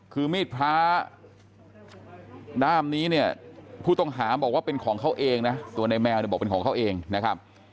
คือมีดพระด้ามนี้เนี่ยผู้ต้องหาบอกว่าเป็นของเขาเองนะตัวในแมวเนี่ยบอกเป็นของเขาเองนะครับ